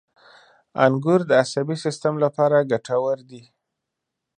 • انګور د عصبي سیستم لپاره ګټور دي.